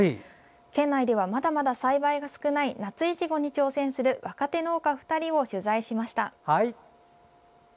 県内では、まだまだ栽培が少ない夏いちごに挑戦する若手農家２人を取材しました。